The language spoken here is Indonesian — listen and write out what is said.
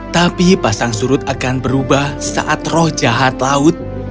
tapi pasang surut akan berubah saat roh jahat laut